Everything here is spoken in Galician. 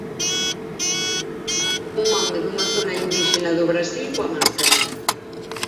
Un home dunha zona indíxena do Brasil coa máscara.